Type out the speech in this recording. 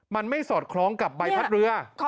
มันไม่สอดคล้องกับใบพัดเรือ